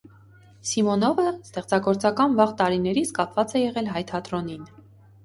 Սիմոնովը ստեղծագործական վաղ տարիներից կապված է եղել հայ թատրոնին։